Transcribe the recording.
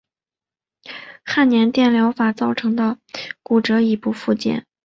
早年电疗法造成的骨折已不复见。